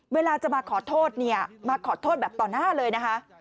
เวลาจะมาขอโทษเนี่ยมาขอโทษแบบต่อหน้าเลยนะคะ